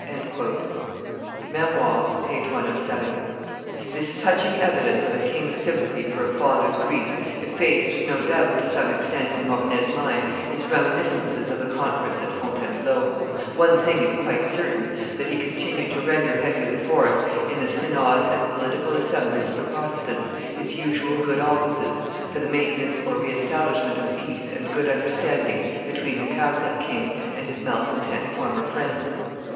[Memoires, t. ii. p. 107.] This touching evidence of a king's sympathy for a father's grief effaced, no doubt, to some extent in Mornay's mind his reminiscences of the conference at Fontainebleau; one thing is quite certain, that he continued to render Henry IV., in the synods and political assemblies of the Protestants, his usual good offices for the maintenance or re establishment of peace and good understanding between the Catholic king and his malcontent former friends.